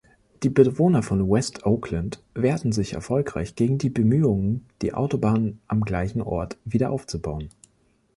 Die Bewohner von West Oakland wehrten sich erfolgreich gegen die Bemühungen, die Autobahn am gleichen Ort wieder aufzubauen.